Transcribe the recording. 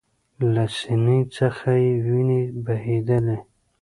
له سینې څخه یې ویني بهېدلې